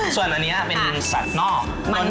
ส่วนอันนี้เป็นสัตว์นอก